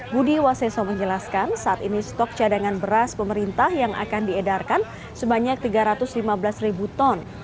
budi waseso menjelaskan saat ini stok cadangan beras pemerintah yang akan diedarkan sebanyak tiga ratus lima belas ribu ton